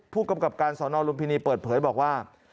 ผู้กำกับการสอนอลุมพินีเปิดเผยบอกว่า